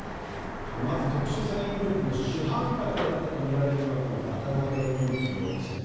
まず、特殊詐欺グループの主犯格だったとみられるのが渡邉優樹容疑者です。